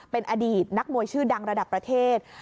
เป็นอดีตนักมวยชื่อดังระดับประเทศ